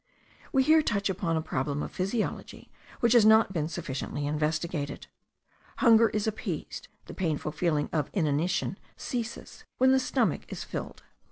We here touch upon a problem of physiology which has not been sufficiently investigated. Hunger is appeased, the painful feeling of inanition ceases, when the stomach is filled.